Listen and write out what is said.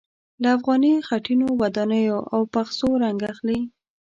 له افغاني خټينو ودانیو او پخڅو رنګ اخلي.